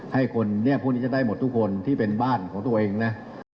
ให้คนเนี่ยพวกนี้จะได้หมดทุกคนที่เป็นบ้านของตัวเองนะ